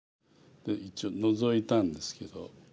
一応ノゾいたんですけど。